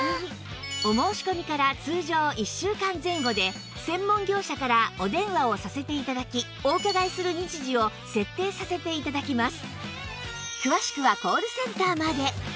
お申し込みから通常１週間前後で専門業者からお電話をさせて頂きお伺いする日時を設定させて頂きます